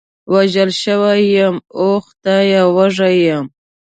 وژل شوی یم، اوه خدایه، وږی یم.